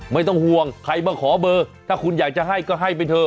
ไม่ต้องห่วงใครมาขอเบอร์ถ้าคุณอยากจะให้ก็ให้ไปเถอะ